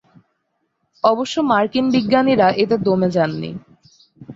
অবশ্য মার্কিন বিজ্ঞানীরা এতে দমে যাননি।